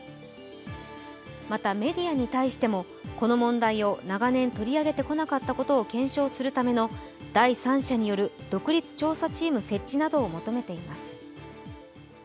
また、メディアに対してもこの問題を長年取り上げてこなかったことを検証するための第三者による独立調査チーム設置などを求めています。